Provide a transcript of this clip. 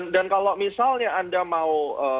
dan kalau misalnya anda mau